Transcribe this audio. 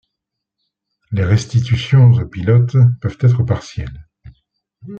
Les restitutions au pilote peuvent être partielles.